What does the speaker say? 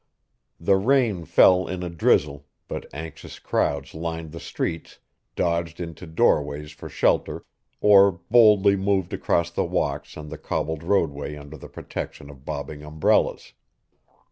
The rain fell in a drizzle, but anxious crowds lined the streets, dodged into doorways for shelter, or boldly moved across the walks and the cobbled roadway under the protection of bobbing umbrellas.